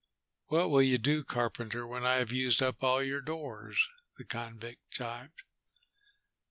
"What will you do, carpenter, when I have used up all your doors?" the convict jibed.